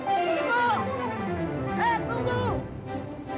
ini bang hendrik